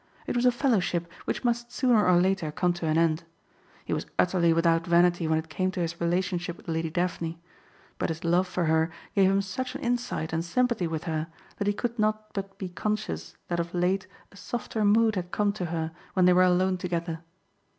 It was a fellowship which must sooner or later come to an end. He was utterly without vanity when it came to his relationship with Lady Daphne; but his love for her gave him such an insight and sympathy with her that he could not but be conscious that of late a softer mood had come to her when they were alone together.